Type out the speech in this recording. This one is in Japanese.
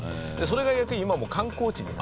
それが逆に今もう観光地に。